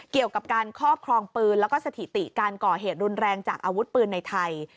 เกี่ยวกับการครอบครองปืนแล้วก็สถิติการก่อเหตุรุนแรงจากอาวุธปืนในไทย